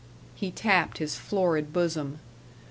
He tapped his florid bosom.